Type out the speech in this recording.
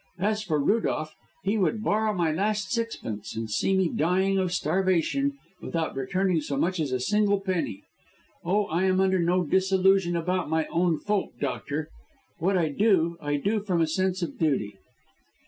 As for Rudolph, he would borrow my last sixpence, and see me dying of starvation without returning so much as a single penny. Oh, I am under no disillusion about my own folk, doctor! What I do, I do from a sense of duty."